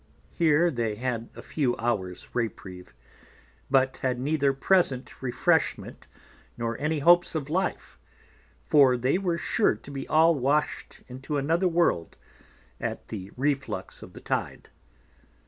Here they had a few Hours Reprieve, but had neither present Refreshment, nor any hopes of Life, for they were sure to be all wash'd into another World at the Reflux of the Tide.